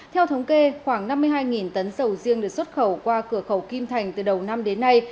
theo thống kê khoảng năm mươi hai tấn sầu riêng được xuất khẩu qua cửa khẩu kim thành từ đầu năm đến nay